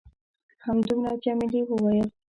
همدومره؟ جميلې وويل:.